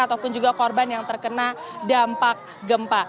ataupun juga korban yang terkena dampak gempa